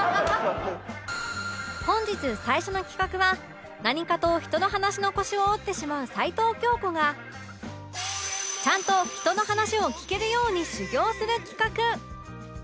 本日最初の企画は何かと人の話の腰を折ってしまう齊藤京子がちゃんと人の話を聞けるように修業する企画